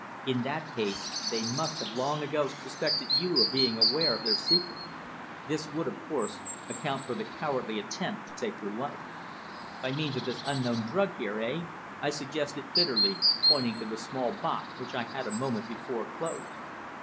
"In that case they must have long ago suspected you of being aware of their secret. This would, of course, account for the cowardly attempt to take your life." "By means of this unknown drug here eh?" I suggested bitterly, pointing to the small box which I had a moment before closed.